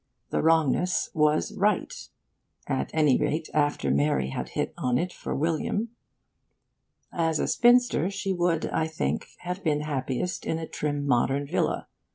The wrongness was right at any rate after Mary had hit on it for William. As a spinster, she would, I think, have been happiest in a trim modern villa.